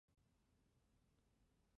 胡晋臣肯定朱熹批评林栗。